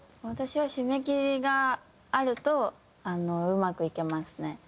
私は締め切りがあるとうまくいけますね。